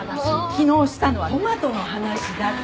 昨日したのはトマトの話だっちゅうの。